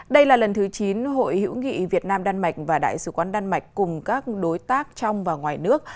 đây là lần thứ chín hội hữu nghị việt nam đan mạch và đại sứ quán đan mạch cùng các đối tác trong và ngoài nước